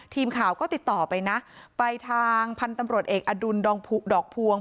ทีมข่าวก็ติดต่อไปนะไปทางพันธุ์ตำรวจเอกอดุลดองผุดอกพวง